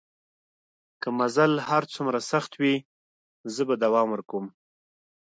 که مزل هر څومره سخت وي زه به دوام ورکوم.